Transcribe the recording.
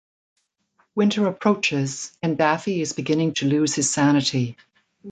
Winter approaches, and Daffy is beginning to lose his sanity.